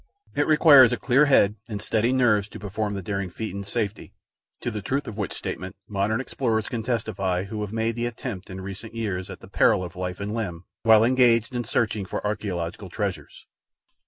It requires a clear head and steady nerves to perform the daring feat in safety to the truth of which statement modern explorers can testify who have made the attempt in recent years at the peril of life and limb while engaged in searching for archaeological treasures.